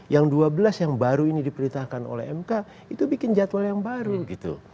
yang dua belas yang baru ini diperintahkan oleh mk itu bikin jadwal yang baru gitu